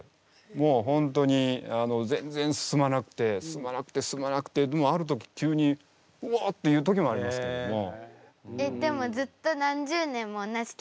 もうホントに全然進まなくて進まなくて進まなくてでもある時急に「うお！」っていう時もありますけども。